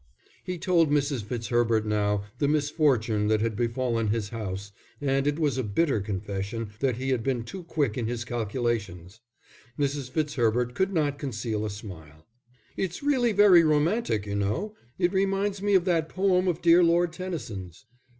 He told Mrs. Fitzherbert now the misfortune that had befallen his house, and it was a bitter confession that he had been too quick in his calculations. Mrs. Fitzherbert could not conceal a smile. "It's really very romantic, you know. It reminds me of that poem of dear Lord Tennyson's."